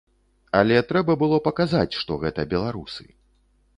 Але трэба было паказаць, што гэта беларусы.